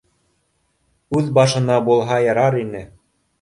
Үҙ башына булһа ярар ине!